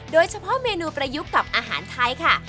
โดยเฉพาะเมนูประยุกต์กับอาหารไทยค่ะ